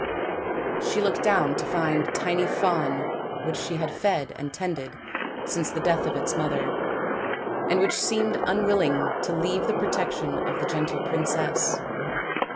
She looked down to find a tiny fawn which she had fed and tended since the death of its mother, and which seemed unwilling to leave the protection of the gentle princess.